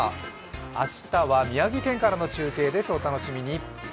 明日は宮城県からの中継です、お楽しみに。